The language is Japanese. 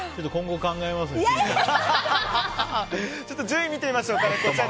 順位を見てみましょう。